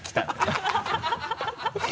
ハハハ